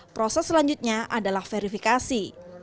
proses selanjutnya adalah verifikasi